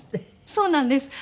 そうなんです。